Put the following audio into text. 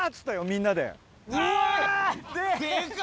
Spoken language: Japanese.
みんなで。